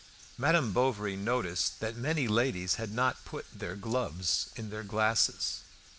Madame Bovary noticed that many ladies had not put their gloves in their glasses.